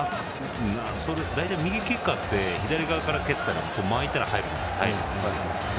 大体、右キッカーで左側から蹴ったり巻いたら入るんですよ。